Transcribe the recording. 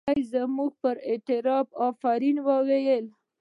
نړۍ زموږ پر اعتراف افرین وویل.